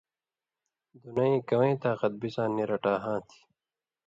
دنَیں کوَیں طاقت بِڅاں نی رٹاہاں تھی۔